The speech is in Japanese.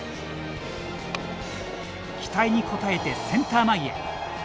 期待に応えて、センター前へ。